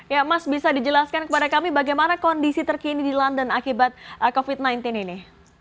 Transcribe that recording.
ya mas bisa dijelaskan kepada kami bagaimana kondisi terkini di london akibat covid sembilan belas ini